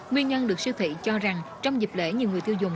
nguyên nhân được siêu thị cho rằng trong dịp lễ nhiều người tiêu dùng